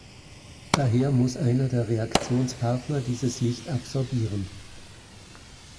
Daher muss einer der Reaktionspartner dieses Licht absorbieren.